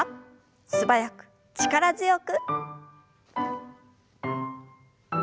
素早く力強く。